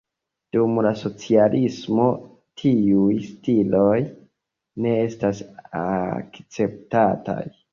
Dum la socialismo tiuj stiloj ne estis akceptataj.